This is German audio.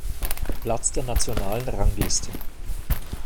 Platz der nationalen Rangliste.